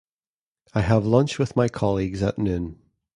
I have lunch with my colleagues at noon.